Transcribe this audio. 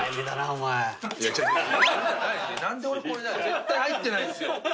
絶対入ってないですよ